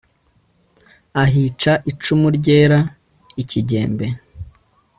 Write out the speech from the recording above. ahica icumu ryera ikigembe